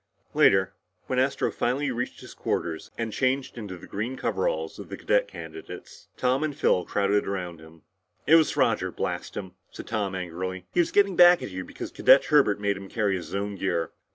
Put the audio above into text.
Later, when Astro finally reached his quarters and changed into the green coveralls of the cadet candidates, Tom and Phil crowded around him. "It was Roger, blast him!" said Tom angrily. "He was getting back at you because Cadet Herbert made him carry his own gear."